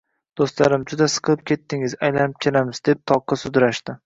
Do'stlarim: «Juda siqilib ketdingiz, aylanib kelamiz», deb toqqa sudrashdi.